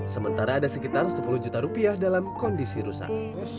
sementara ada sekitar sepuluh juta rupiah dalam kondisi rusak